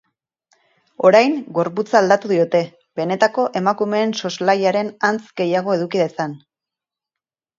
Orain, gorputza aldatu diote, benetako emakumeen soslaiaren antz gehiago eduki dezan.